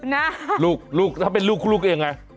น่ะลูกถ้าเป็นลูกลูกคืออย่างไร